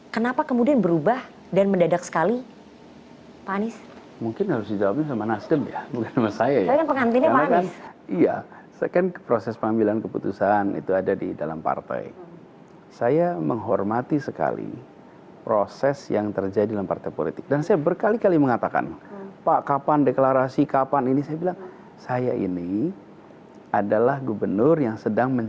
kenapa kemudian berubah dan mendadak sekali pak anies